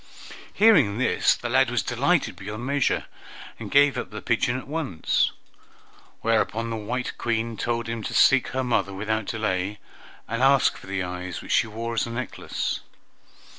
Hearing this, the lad was delighted beyond measure, and gave up the pigeon at once. Whereupon the white Queen told him to seek her mother without delay, and ask for the eyes which she wore as a necklace.